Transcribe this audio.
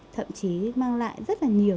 thậm chí mang lại rất là nhiều